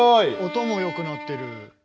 音も良くなってる。